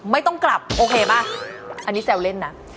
ไม่ต้องกลับโอเคป่ะอันนี้แซวเล่นนะ